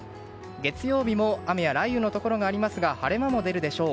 月曜日も雨や雷雨のところがありますが晴れ間も出るでしょう。